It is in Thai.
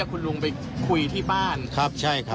ครับใช่ครับ